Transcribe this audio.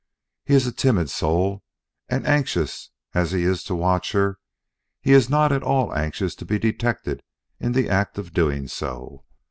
His is a timid soul, and anxious as he is to watch her, he is not at all anxious to be detected in the act of doing so.